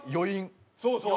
そうそう！